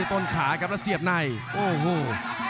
รับทราบบรรดาศักดิ์